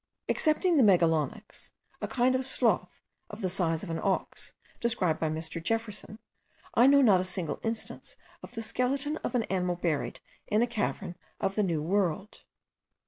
Excepting the megalonyx,* a kind of sloth of the size of an ox, described by Mr. Jefferson, I know not a single instance of the skeleton of an animal buried in a cavern of the New World.